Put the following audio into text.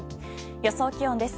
予想気温です。